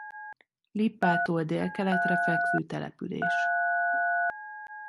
Lippától délkeletre fekvő település.